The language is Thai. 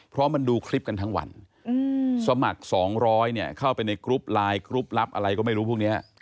เพราะมันดูคลิปกันทั้งวันสมัคร๒๐๐เนี่ยเข้าไปในกรุ๊ปไลน์กรุ๊ปลับอะไรก็ไม่รู้พวกนี้